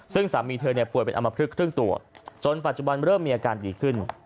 ซึ่งสามีเธอเนี่ยป่วยเป็นอมพลึกครึ่งตัวจนปัจจุบันเริ่มมีอาการดีขึ้น